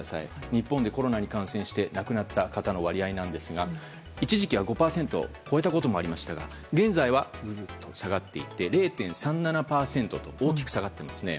日本でコロナに感染して亡くなった方の割合ですが一時期は５％を超えたこともありましたが現在はグーンと下がって０．３７％と大きく下がっていますね。